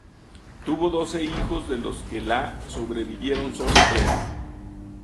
Tuvo doce hijos de los que la sobrevivieron sólo tres.